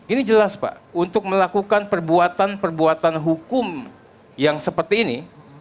ini jelas pak untuk melakukan perbuatan perbuatan hukum yang seperti ini